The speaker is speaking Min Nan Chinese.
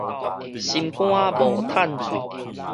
心肝無趁喙